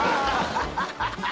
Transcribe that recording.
ハハハハ！